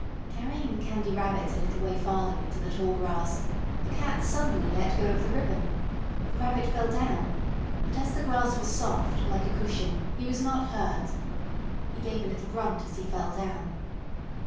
Carrying the Candy Rabbit a little way farther into the tall grass, the cat suddenly let go of the ribbon. The Rabbit fell down, but as the grass was soft, like a cushion, he was not hurt. He gave a little grunt as he fell down.